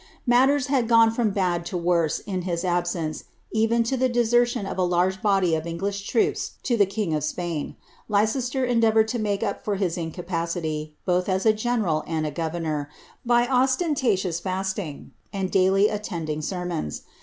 Matters had gone from bad to worse in his absence, even to the de sertion of a large body of Ekiglish troops to the king of Spain. Leicester endeavoured to make up for his incapacity, both as a general and a governor, by ostentatious fasting, and daily attending sermons.